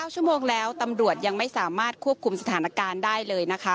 ชั่วโมงแล้วตำรวจยังไม่สามารถควบคุมสถานการณ์ได้เลยนะคะ